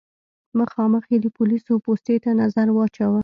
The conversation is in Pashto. مخامخ يې د پوليسو پوستې ته نظر واچوه.